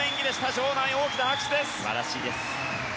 場内、大きな拍手です。